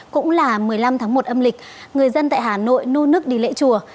cũng là một mươi năm tháng một âm lịch người dân tại hà nội nô nức đi lễ chùa